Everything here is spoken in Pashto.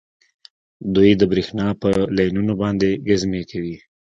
دوی د بریښنا په لینونو باندې ګزمې کوي